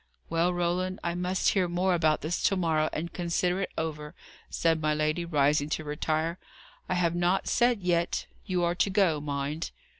"Well, Roland I must hear more about this to morrow, and consider it over," said my lady, rising to retire. "I have not said yet you are to go, mind."